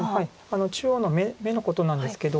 中央の眼のことなんですけど。